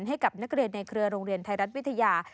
ให้กับนักเรียนในเครือโรงเรียนไทยรัฐวิทยา